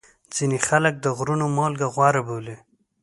ځینې خلک د غرونو مالګه غوره بولي.